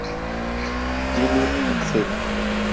Jimmy accede.